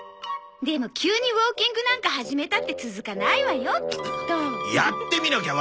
でも急にウォーキングなんか始めたって続かないわよきっと。